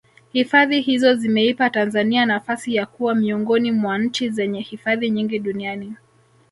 hifadhi hizo zimeipa tanzania nafasi ya kuwa miongoni mwa nchi zenye hifadhi nyingi duniani